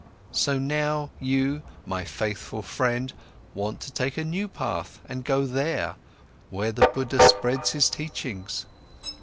So now you, my faithful friend, want to take a new path and go there, where the Buddha spreads his teachings."